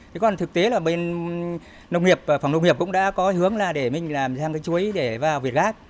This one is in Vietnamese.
thế còn thực tế là bên nông nghiệp phòng nông nghiệp cũng đã có hướng là để mình làm ra cái chuối để vào việt gác